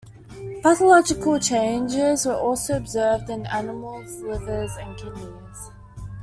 Pathological changes were also observed in the animals' livers and kidneys.